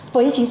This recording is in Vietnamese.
với chính sách